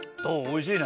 おいしい！